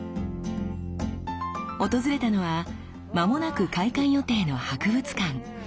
訪れたのは間もなく開館予定の博物館。